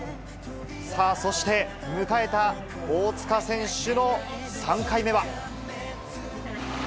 さあ、そして迎えた大塚選手の３回目は。